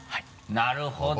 なるほど！